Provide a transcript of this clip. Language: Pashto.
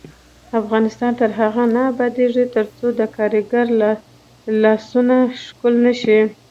افغانستان تر هغو نه ابادیږي، ترڅو د کارګر لاسونه ښکل نشي.